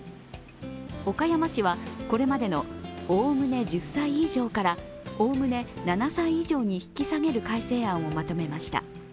岡山市はこれまでのおおむね１０歳以上からおおむね７歳以上に引き下げる改正案をまとめました。